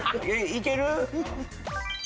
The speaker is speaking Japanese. いける？